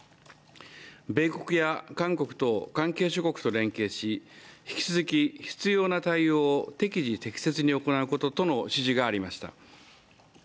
米国や韓国等関係諸国と連携し引き続き必要な対応を適宜適切に行うよう指示がありました。